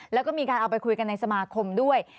แล้วก็มีการเอาไปคุยกันในสมาคมด้วย